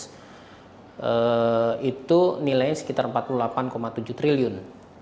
jumlahnya rp empat puluh delapan tujuh triliun